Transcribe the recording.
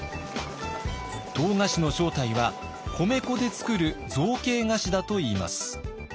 唐菓子の正体は米粉で作る造形菓子だといいます。